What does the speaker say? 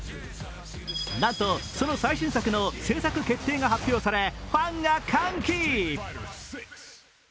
なんとその最新作の制作決定が発表され、ファンが歓喜。